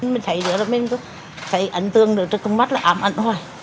mình thấy ảnh tương trước mắt là ảm ảnh hoài